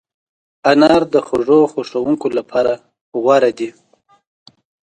انار د خوږو خوښونکو لپاره غوره دی.